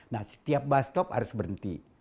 nah setiap bus stop harus berhenti